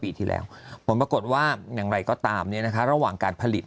ปีที่แล้วผลปรากฏว่าอย่างไรก็ตามระหว่างการผลิต